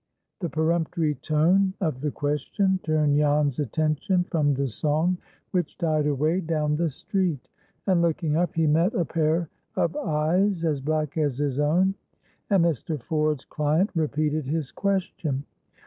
The peremptory tone of the question turned Jan's attention from the song, which died away down the street, and looking up he met a pair of eyes as black as his own, and Mr. Ford's client repeated his question.